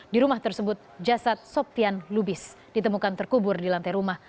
di rumah tersebut jasad soptian lubis ditemukan terkubur di lantai rumah